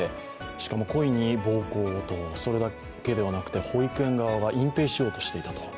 しかも故意に暴行をと、それだけではなくて保育園側は隠ぺいしようとしていたと。